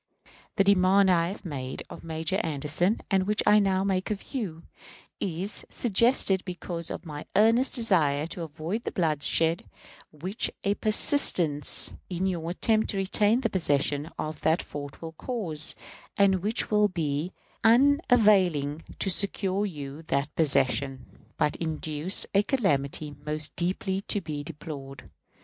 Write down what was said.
The demand I have made of Major Anderson, and which I now make of you, is suggested because of my earnest desire to avoid the bloodshed which a persistence in your attempt to retain the possession of that fort will cause, and which will be unavailing to secure you that possession, but induce a calamity most deeply to be deplored.